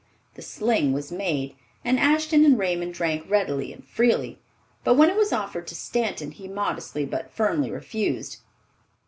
The sling was made, and Ashton and Raymond drank readily and freely; but when it was offered to Stanton, he modestly but firmly refused.